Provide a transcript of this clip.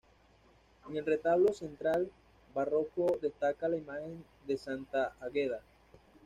En el retablo central, barroco, destaca la imagen de Santa Águeda.